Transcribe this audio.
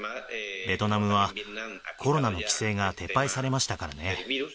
ベトナムは、コロナの規制が撤廃されましたからね。